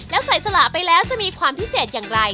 แล้วใส่สละไปแล้วจะมีความพิเศษอย่างไร